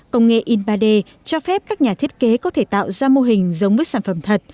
công nghệ in ba d cho phép các nhà thiết kế có thể tạo ra mô hình giống với sản phẩm thật